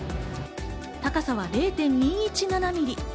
高さは０．２１７ミリ。